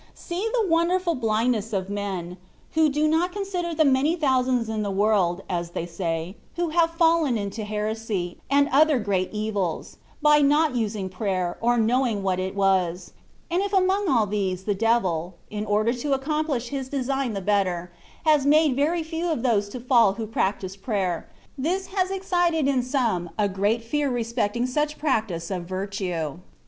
See the wonderful blindness of men. THE WAY OF PERFECTION. 107 who do not consider the many thousands in the world (as they say), who have fallen into heresy, and other great evils, by not using prayer, or knowing what it was ; and if among all these, the devil, in order to accomplish his design the better, has made very few of those to fall who practised prayer, this has excited in some a great fear re specting such practice of virtue.